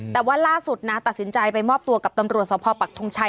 แต่ว่าล่าสุดนะตัดสินใจไปมอบตัวกับตำรวจสภปักทงชัย